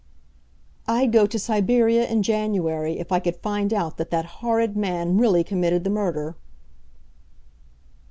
"I'd go to Siberia in January if I could find out that that horrid man really committed the murder."